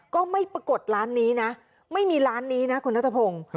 ปรากฏร้านนี้นะไม่มีร้านนี้นะคุณนัทพงศ์